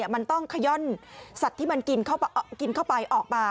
มันต้องขย่อนสัตว์ที่มันกินเข้าไปออกมา